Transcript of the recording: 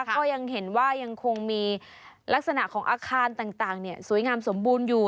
ก็ยังเห็นว่ายังคงมีลักษณะของอาคารต่างสวยงามสมบูรณ์อยู่